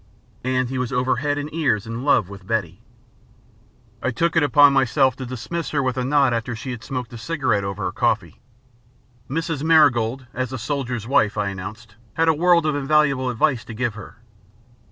And he was over head and ears in love with Betty. I took it upon myself to dismiss her with a nod after she had smoked a cigarette over her coffee. Mrs. Marigold, as a soldier's wife, I announced, had a world of invaluable advice to give her.